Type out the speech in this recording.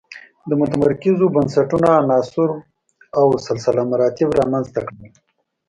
د متمرکزو بنسټونو عناصر او سلسله مراتب رامنځته کړل.